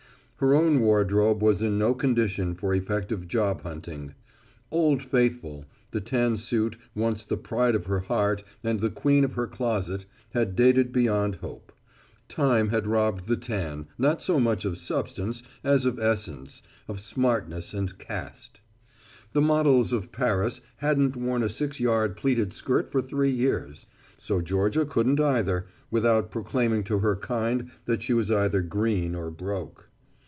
Her own wardrobe was in no condition for effective job hunting. "Old faithful," the tan suit, once the pride of her heart and the queen of her closet, had dated beyond hope. Time had robbed the tan, not so much of substance as of essence, of smartness and caste. The models of Paris hadn't worn a six yard pleated skirt for three years. So Georgia couldn't either, without proclaiming to her kind that she was either green or broke.